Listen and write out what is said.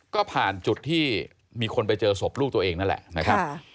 ก็ผ่านจุดที่มีคนไปเจอศพลูกตัวเองนั่นแหละนะครับ